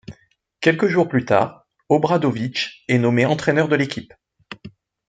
Quelques jours plus tard, Obradović est nommé entraîneur de l'équipe.